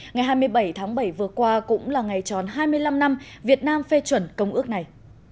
ngày hai mươi bảy tháng bảy vừa qua cũng là ngày tròn hai mươi năm năm việt nam phê chuẩn công ước này